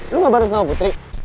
lu gak bareng sama putri